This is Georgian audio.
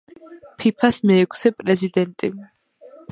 ფიფას მეექვსე პრეზიდენტი.